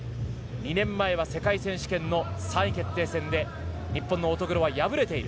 ２年前は世界選手権の３位決定戦で日本の乙黒は敗れている。